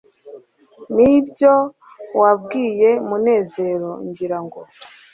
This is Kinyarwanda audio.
nibyo wabwiye munezero, ngira ngo